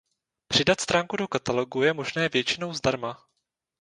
Přidat stránku do katalogu je možné většinou zdarma.